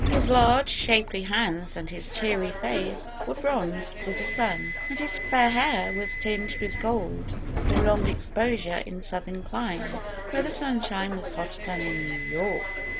His large, shapely hands and his cheery face were bronzed with the sun, and his fair hair was tinged with gold from long exposure in southern climes, where the sunshine was hotter than in New York.